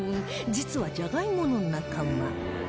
実はじゃがいもの仲間